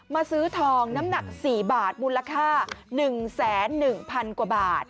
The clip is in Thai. ซื้อทองน้ำหนัก๔บาทมูลค่า๑๑๐๐๐กว่าบาท